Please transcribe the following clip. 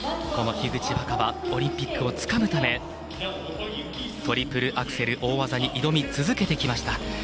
この樋口新葉オリンピックをつかむためトリプルアクセル大技に挑み続けてきました。